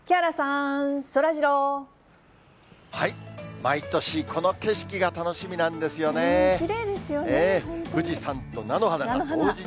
毎年この景色が楽しみなんできれいですよね、本当に。